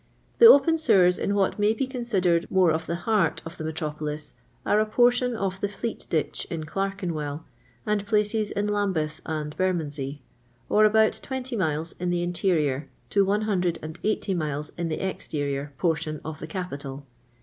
The open sewers in what nuy b« considered more of the heart of the metropolis are a {M)rtion of the Fleet ditch in Clorkenwcll, and places in Lambeth and Bennondsey, or about 2U mili>s in the interior to 180 miles in the exterior portion of the capital.